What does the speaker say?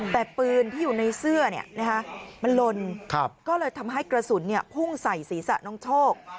แต่ปืนที่อยู่ในเสื้อมันลนก็เลยทำให้กระสุนพุ่งใส่ศีรษะน้องโชค